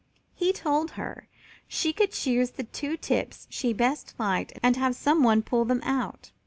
He told her she could choose the two tips she best liked and have some one to pull them out.